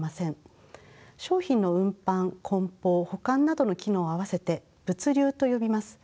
商品の運搬梱包保管などの機能をあわせて物流と呼びます。